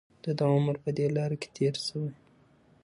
د ده عمر په دې لاره کې تېر شوی.